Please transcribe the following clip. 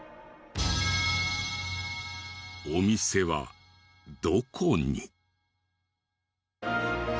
お店はどこに？